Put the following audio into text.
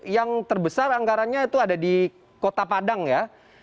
yang terbesar anggarannya itu ada di kota padang ya